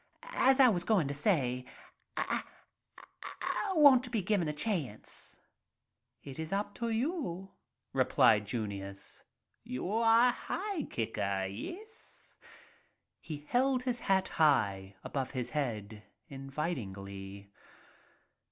"As I was going to say — I— want to be given a chance —" "It's up to you," replied Junius. "You are a: high kicker, yes?" He held his hat high above his head, invitingly.